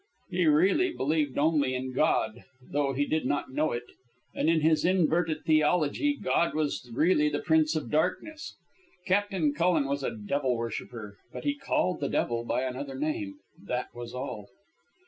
He really believed only in God, though he did not know it. And in his inverted theology God was really the Prince of Darkness. Captain Cullen was a devil worshipper, but he called the devil by another name, that was all.